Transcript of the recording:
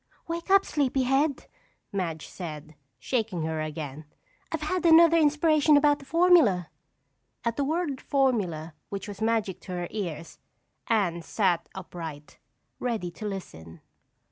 "Wake up, sleepy head," Madge said, shaking her again. "I've had another inspiration about the formula." At the word "formula" which was magic to her ears, Anne sat upright, ready to listen.